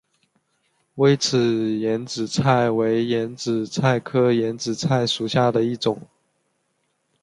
微齿眼子菜为眼子菜科眼子菜属下的一个种。